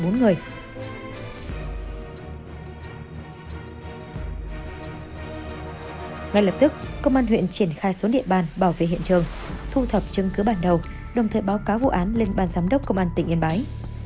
ngay lập tức công an huyện triển khai xuống địa bàn bảo vệ hiện trường thu thập chứng cứ bản đầu đồng thời báo cáo vụ án lên ban giám đốc công an tỉnh yên bái